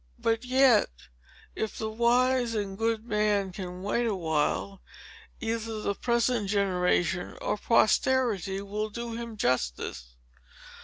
But yet, if the wise and good man can wait awhile, either the present generation or posterity, will do him justice.